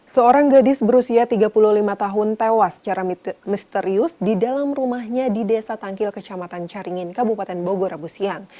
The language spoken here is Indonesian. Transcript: seorang gadis berusia tiga puluh lima tahun tewas secara misterius di dalam rumahnya di desa tangkil kecamatan caringin kabupaten bogor rabu siang